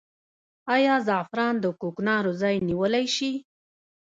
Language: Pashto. آیا زعفران د کوکنارو ځای نیولی شي؟